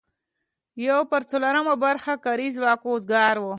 یو پر څلورمه برخه کاري ځواک وزګار و.